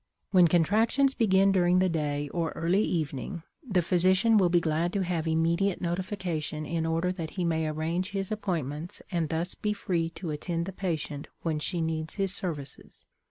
When contractions begin during the day or early evening, the physician will be glad to have immediate notification in order that he may arrange his appointments and thus be free to attend the patient when she needs his services.